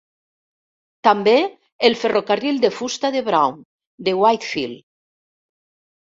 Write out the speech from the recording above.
També el ferrocarril de fusta de Brown, de Whitefield.